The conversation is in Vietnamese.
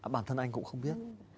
bản thân anh cũng không biết